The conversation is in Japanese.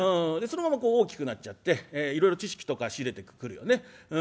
そのまま大きくなっちゃっていろいろ知識とか仕入れてくるよね。